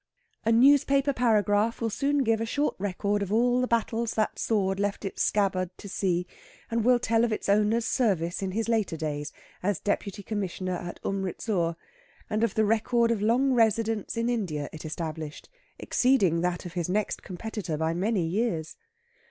A newspaper paragraph will soon give a short record of all the battles that sword left its scabbard to see, and will tell of its owner's service in his later days as deputy Commissioner at Umritsur, and of the record of long residence in India it established, exceeding that of his next competitor by many years.